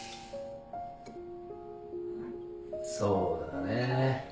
そうだね。